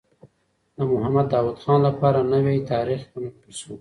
د محمد داوود خان لپاره نوی تاریخ ونړول سو.